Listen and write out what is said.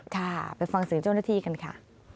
ค่ะไปฟังเสียงเจ้าหน้าที่กันค่ะ